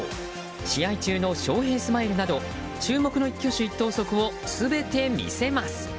試合中の翔平スマイルなど注目の一挙手一投足を全て見せます。